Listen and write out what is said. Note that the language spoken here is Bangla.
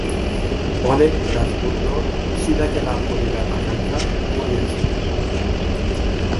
অনেক রাজপুত্র সীতাকে লাভ করিবার আকাঙ্ক্ষা করিয়াছিলেন।